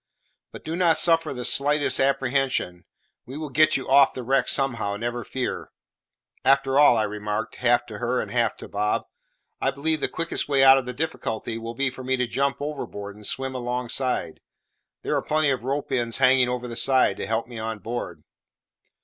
But do not suffer the slightest apprehension; we will get you off the wreck somehow, never fear. After all," I remarked, half to her and half to Bob, "I believe the quickest way out of the difficulty will be for me to jump overboard and swim alongside; there are plenty of ropes ends hanging over the side to help me on board."